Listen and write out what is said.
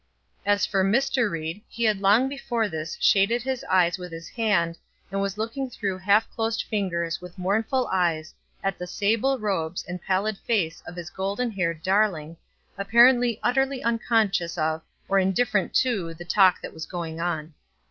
As for Mr. Ried, he had long before this shadded his eyes with his hand, and was looking through half closed fingers with mournful eyes at the sable robes and pallid face of his golden haired darling, apparently utterly unconscious of or indifferent to the talk that was going on.